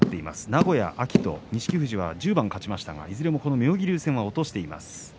名古屋、秋と錦富士は１０番勝ちましたがいずれも妙義龍戦は落としています。